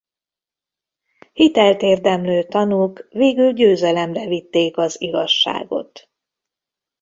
Hitelt érdemlő tanúk végül győzelemre vitték az igazságot.